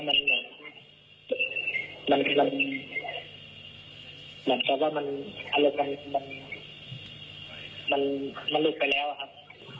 เหมือนกับว่ามันหลุดไปแล้วครับ